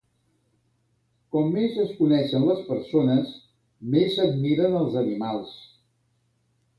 Com més es coneixen les persones, més s'admiren els animals.